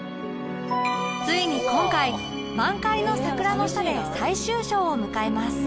ついに今回満開の桜の下で最終章を迎えます